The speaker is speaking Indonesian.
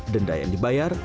denda yang dibayar